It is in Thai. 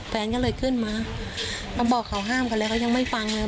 แฟนก็เลยขึ้นมามาบอกเขาห้ามกันเลยเขายังไม่ฟังเลย